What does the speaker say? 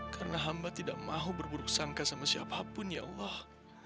karena hamba tidak mau berburuk sangka sama siapapun ya allah